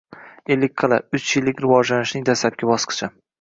Ellikqal’a: uch yillik rivojlanishning dastlabki bosqichi